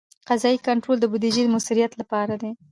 قضایي کنټرول د بودیجې د مؤثریت لپاره دی.